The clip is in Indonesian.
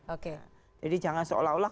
oke jadi jangan seolah olah